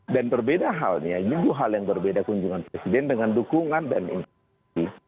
dan berbeda halnya itu hal yang berbeda kunjungan presiden dengan dukungan dan interpelasi